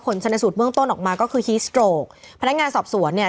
ผลชนสูตรเมื่องต้นออกมาก็คือพนักงานสอบสวนเนี้ย